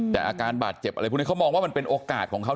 แต่การบาดเจ็บเข้ามองว่ามันเป็นโอกาสของเขา